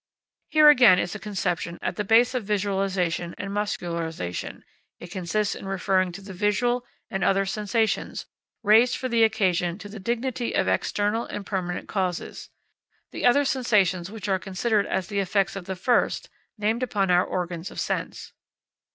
Here again is a conception at the base of visualisation and muscularisation; it consists in referring to the visual and other sensations, raised for the occasion to the dignity of external and permanent causes, the other sensations which are considered as the effects of the first named upon our organs of sense.